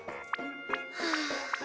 はあ。